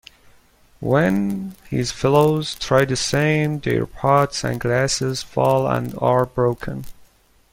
When his fellows try the same, their pots and glasses fall and are broken.